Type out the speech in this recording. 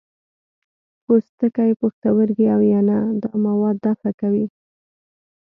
پوستکی، پښتورګي او ینه دا مواد دفع کوي.